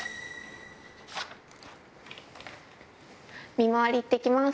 見回り行ってきます。